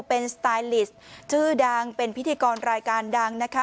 เป็นสไตลิสต์ชื่อดังเป็นพิธีกรรายการดังนะคะ